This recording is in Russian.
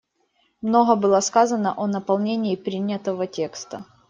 Много было сказано о наполнении принятого текста.